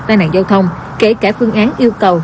tai nạn giao thông kể cả phương án yêu cầu